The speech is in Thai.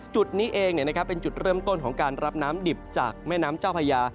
จุดนี้เองเป็นจุดเริ่มต้นของการรับน้ำดิบจากแม่น้ำเจ้าพญา